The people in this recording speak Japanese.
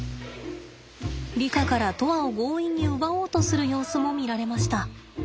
リカから砥愛を強引に奪おうとする様子も見られました。